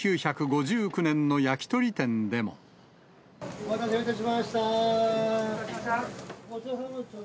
お待たせいたしました。